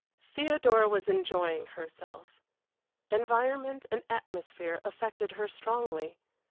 Theodora was enjoying herself. Environment and atmosphere affected her strongly.